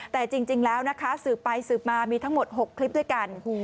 แต่จริงแล้วนะคะสืบไปสืบมามีทั้งหมด๖คลิปด้วยกัน